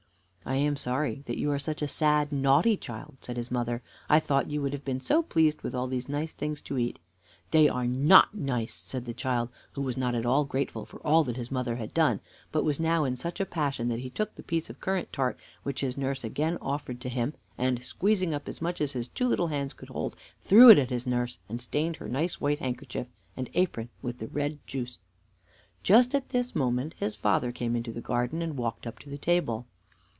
"I am sorry you are such a sad, naughty child," said his mother. "I thought you would have been so pleased with all these nice things to eat." "They are not nice," said the child, who was not at all grateful for all that his mother had done, but was now in such a passion that he took the piece of currant tart which his nurse again offered to him, and, squeezing, up as much as his two little hands could hold, he threw it at his nurse, and stained her nice white handkerchief and apron with the red juice. Just at this moment his father came into the garden, and walked up to the table.